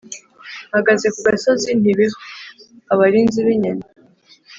Mpagaze ku gasozi nti behu !-Abarinzi b'inyoni.